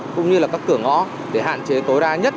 cũng như là các cửa ngõ để hạn chế tối đa nhất